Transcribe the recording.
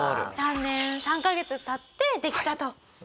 ３年３カ月経ってできたと。